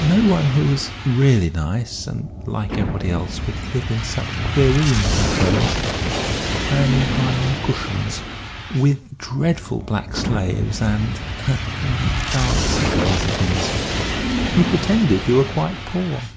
No one who was really nice, and like everybody else, would live in such queer rooms like those, and dine on cushions, with dreadful black slaves, and and dancing girls and things. You pretended you were quite poor."